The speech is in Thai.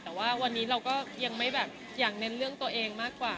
แต่ว่าวันนี้เราก็ยังไม่แบบอยากเน้นเรื่องตัวเองมากกว่า